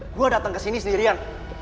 gue dateng kesini sendirian